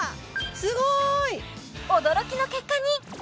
すごい！驚きの結果に！